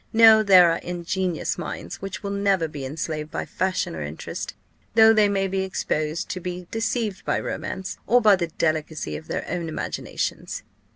No; there are ingenuous minds which will never be enslaved by fashion or interest, though they may be exposed to be deceived by romance, or by the delicacy of their own imaginations."